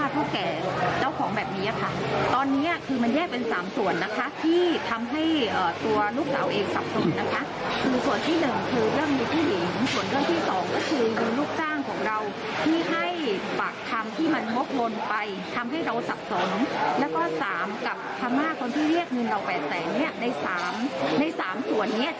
เพราะฉะนั้นที่เรียกวินเราแบบแต่นี้ใน๓ส่วนนี้